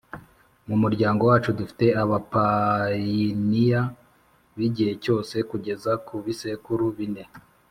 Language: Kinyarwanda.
Mu muryango wacu dufte abapayiniya b’igihe cyose kugeza ku bisekuru bine